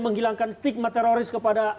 menghilangkan stigma teroris kepada